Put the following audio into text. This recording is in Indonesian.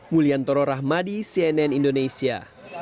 mulyantoro rahmadi cnn indonesia